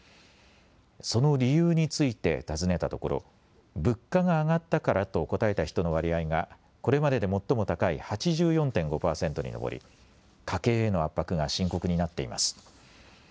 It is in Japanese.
その理由について尋ねたところ物価が上がったからと答えた人の割合がこれまでで最も高い８４．５％に上り、家計への圧迫が深刻になっています。